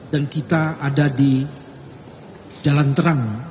dan kita ada di jalan terang